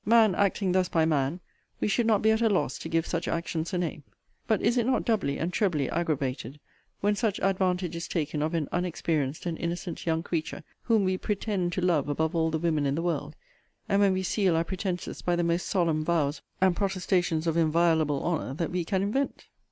Man acting thus by man, we should not be at a loss to give such actions a name: But is it not doubly and trebly aggravated, when such advantage is taken of an unexperienced and innocent young creature, whom we pretend to love above all the women in the world; and when we seal our pretences by the most solemn vows and protestations of inviolable honour that we can invent?